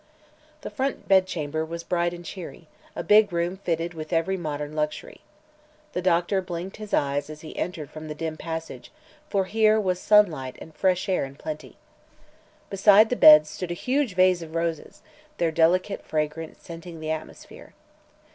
The front bedchamber was bright and cheery, a big room fitted with every modern luxury. The doctor blinked his eyes as he entered from the dim passage, for here was sunlight and fresh air in plenty. Beside the bed stood a huge vase of roses, their delicate fragrance scenting the atmosphere.